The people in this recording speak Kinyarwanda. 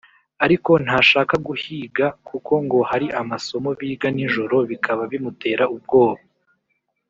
Ariko ntashaka kuhiga kuko ngo hari amasomo biga ni joro bikaba bimutera ubwoba